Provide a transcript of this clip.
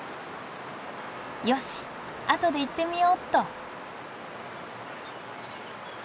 よし後で行ってみよっと。